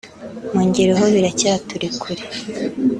mu ngiro ho biracyaturi kure